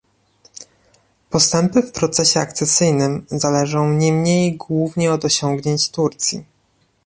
Postępy w procesie akcesyjnym zależą niemniej głównie od osiągnięć Turcji